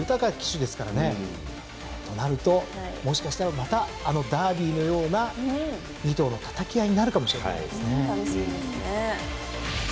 となるともしかしたらまたあのダービーのような２頭のたたき合いになるかもしれないですね。